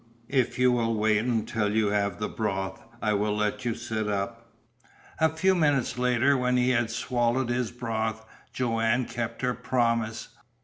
If you will wait until you have the broth I will let you sit up." A few minutes later, when he had swallowed his broth, Joanne kept her promise.